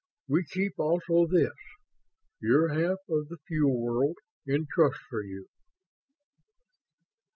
We keep also this, your half of the Fuel World, in trust for you."